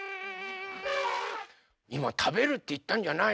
いまたべるっていったんじゃないの？